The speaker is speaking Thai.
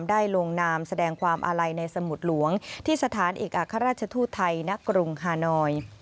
ลงนามแสดงความอาลัยในสมุดหลวงที่สถานเอกอัครราชทูตไทยณกรุงฮานอย